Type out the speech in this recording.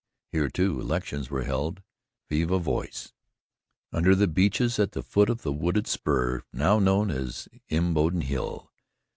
Here, too, elections were held viva voce under the beeches, at the foot of the wooded spur now known as Imboden Hill.